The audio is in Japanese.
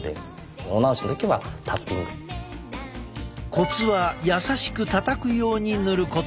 コツは優しくたたくように塗ること。